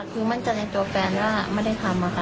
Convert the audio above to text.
คือมันจะในตัวแฟนว่าไม่ได้ทำ